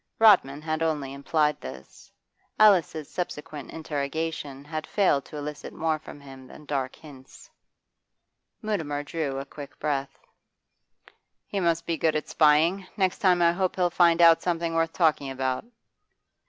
Rodman had only implied this. Alice's subsequent interrogation had failed to elicit more from him than dark hints. Mutimer drew a quick breath. 'He must be good at spying. Next time I hope he'll find out something worth talking about.